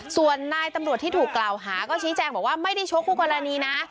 ส่วนนายตำรวจที่ถูกกล่าวหาก็ชี้แจงบอกว่าไม่ได้ชกคู่กรณีนะ